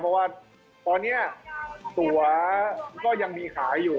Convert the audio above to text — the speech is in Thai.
เพราะว่าตอนนี้ตัวก็ยังมีขายอยู่